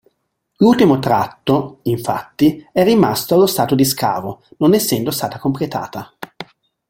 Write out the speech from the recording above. L'ultimo tratto, infatti, è rimasto allo stato di scavo, non essendo stata completata.